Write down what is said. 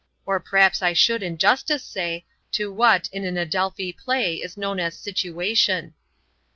Or p'r'aps I should in justice say, to what, in an Adelphi play, is known as situation."